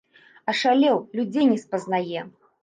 Ашалеў, людзей не спазнае.